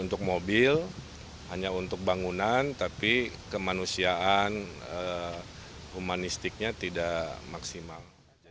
untuk mobil hanya untuk bangunan tapi kemanusiaan humanistiknya tidak maksimal